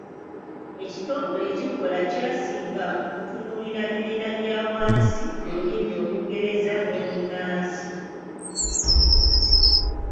Ekitongole ekikola kyasinga kutunulira bibiina byawansi mu lulimi Olungereza n’olunaansi.